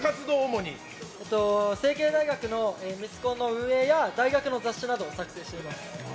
成蹊大学のミスコンの運営や大学の雑誌などを作成しております。